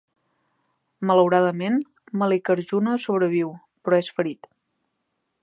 Malauradament, Mallikarjuna sobreviu, però és ferit.